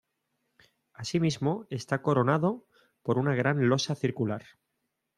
Así mismo está coronado por una gran losa circular.